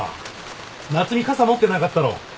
夏海傘持ってなかったろ。